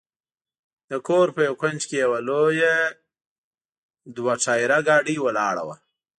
د کور په یوه کونج کې یوه لویه دوه ټایره ګاډۍ ولاړه وه.